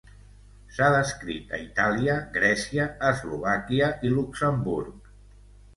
S’ha descrit a Itàlia, Grècia, Eslovàquia i Luxemburg.